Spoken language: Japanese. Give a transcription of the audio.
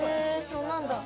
そうなんだ。